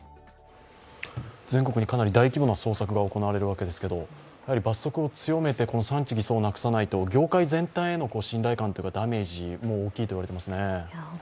全国でかなり大規模な捜索が行われるわけですけど罰則を強めて産地偽装をなくさないと業界全体への信頼感というか、ダメージも大きいと言われていますね。